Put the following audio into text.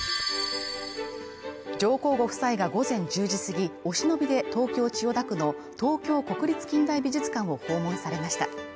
上皇ご夫妻が午前１０時すぎ、お忍びで、東京千代田区の東京国立近代美術館を訪問されました。